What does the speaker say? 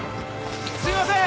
すいません！